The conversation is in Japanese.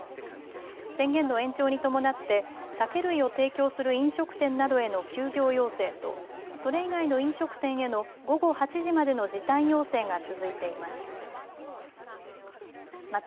宣言の延長に伴って酒類を提供する飲食店などへの休業要請とそれ以外の飲食店への午後８時までの時短要請が続いています。